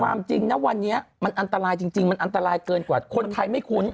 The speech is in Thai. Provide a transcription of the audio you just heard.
ความจริงนะวันนี้มันอันตรายจริงมันอันตรายเกินกว่าคนไทยไม่คุ้น